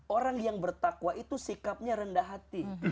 orang yang bertakwa itu sikapnya rendah hati